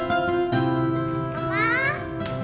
jangan bosan aku benar